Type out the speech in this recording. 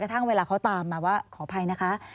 ทั้งเวลาเขาตามมาว่าขออภัยนะคะ